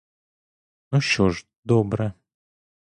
Ну, що ж, добре.